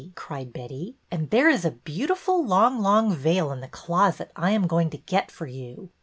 " cried Betty. " And there is a beau tiful long, long veil in the closet I am going to get for you."